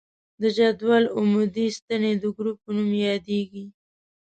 د جدول عمودي ستنې د ګروپ په نوم یادیږي.